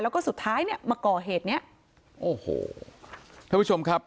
แล้วก็สุดท้ายเนี่ยมาก่อเหตุเนี้ยโอ้โหท่านผู้ชมครับ